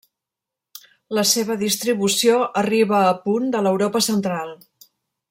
La seva distribució arriba a punt de l'Europa Central.